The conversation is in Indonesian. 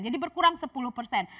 jadi berkurang sepuluh persen